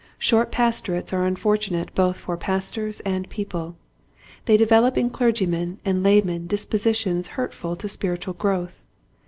Short pastorates are unfortunate both for pastors and people. They develop in clergymen and laymen dispositions hurtful to spiritual growth.